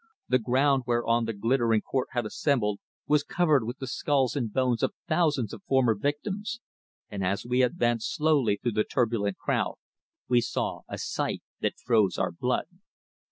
The ground whereon the glittering court had assembled was covered with the skulls and bones of thousands of former victims, and as we advanced slowly through the turbulent crowd we saw a sight that froze our blood.